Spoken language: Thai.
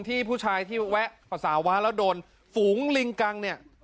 ผู้ชายที่แวะภาษาวะแล้วโดนฝูงลิงกังเนี่ย